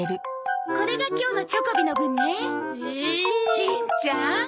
しんちゃん。